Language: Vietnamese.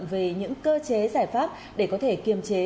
về những cơ chế giải pháp để có thể kiềm chế